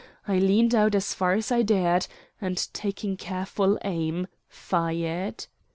[Illustration: I LEANED OUT AS FAR AS I DARED, AND TAKING CAREFUL AIM, FIRED.